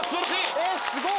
えっすごい！